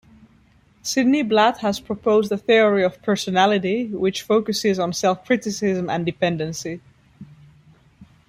Sidney Blatt has proposed a theory of personality which focuses on self-criticism and dependency.